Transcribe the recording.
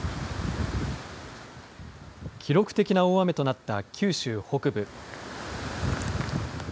記録的な大雨となった九州北部。